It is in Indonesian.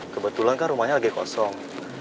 kebetulan kan rumahnya lagi kosong